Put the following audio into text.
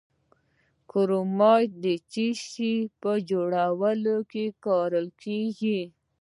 کرومایټ د څه شي په جوړولو کې کاریږي؟